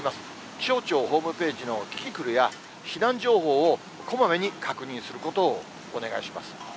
気象庁ホームページのキキクルや、避難情報をこまめに確認することをお願いします。